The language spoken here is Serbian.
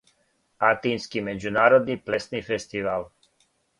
Атински међународни плесни фестивал.